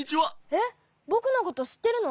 えっぼくのことしってるの？